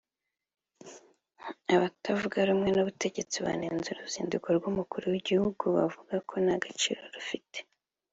Abatavuga rumwe n’ubutegetsi banenze uruzinduko rw’umukuru w’igihugu bavuga ko nta gaciro rufite